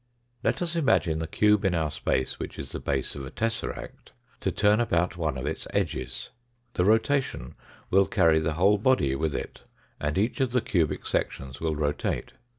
Let us imagine the cube in our space, which is the base of a tesseract, to turn about one of its edges. The rotation will carry the whole body with it, and each of the cubic sections will rotate.